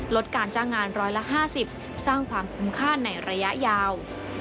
ลดการจ้างงานร้อยละ๕๐สร้างความคุ้มค่าในระยะยาว